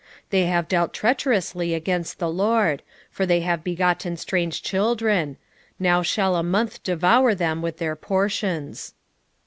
5:7 They have dealt treacherously against the LORD: for they have begotten strange children: now shall a month devour them with their portions.